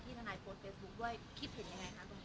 ที่ทนายโพสเฟซบุ๊คด้วย